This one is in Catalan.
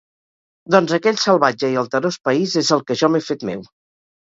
Doncs, aquell salvatge i alterós país és el que jo m'he fet meu…